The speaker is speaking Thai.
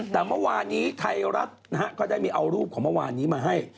แต่เมื่อวานี้ไทยรัฐนะฮะก็ได้มีเอารูปของเมื่อวานนี้มาให้